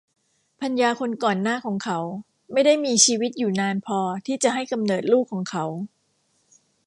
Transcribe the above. ภรรยาคนก่อนหน้าของเขาไม่ได้มีชีวิตอยู่นานพอที่จะให้กำเนิดลูกของเขา